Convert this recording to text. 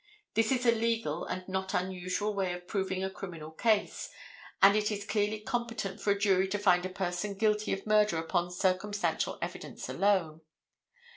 This is a legal and not unusual way of proving a criminal case, and it is clearly competent for a jury to find a person guilty of murder upon circumstantial evidence alone.